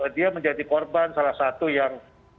dia menjadi korban salah satu yang